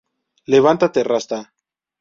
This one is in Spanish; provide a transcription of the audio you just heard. Levántate Rasta.